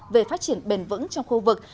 về phát triển bền vững trong khu vực